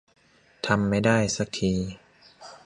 ทำไม่ได้สักที